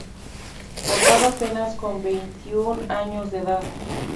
Contaba apenas con veintiún años de edad.